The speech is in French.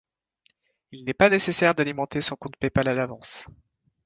Il n’est pas nécessaire d’alimenter son compte PayPal à l’avance.